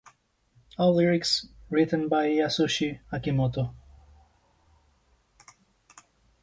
All lyrics written by Yasushi Akimoto.